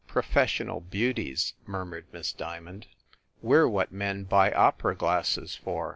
"Professional beauties," murmured Miss Dia mond. "We re what men buy opera glasses for."